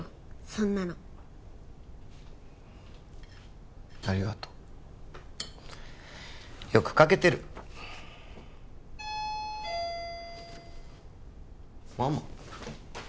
そんなのありがとうよく描けてるママ？